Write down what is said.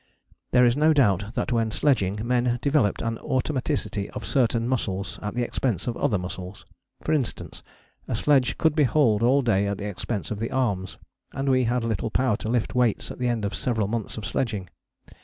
There is no doubt that when sledging men developed an automaticity of certain muscles at the expense of other muscles: for instance, a sledge could be hauled all day at the expense of the arms, and we had little power to lift weights at the end of several months of sledging.